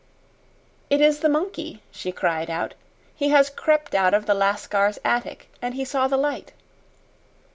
"It is the monkey," she cried out. "He has crept out of the Lascar's attic, and he saw the light."